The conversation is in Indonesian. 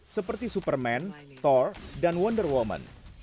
seperti superman tor dan wonder woman